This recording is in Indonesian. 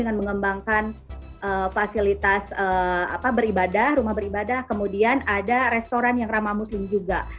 dengan mengembangkan fasilitas beribadah rumah beribadah kemudian ada restoran yang ramah muslim juga